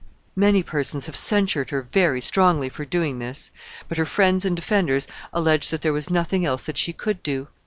Many persons have censured her very strongly for doing this; but her friends and defenders allege that there was nothing else that she could do.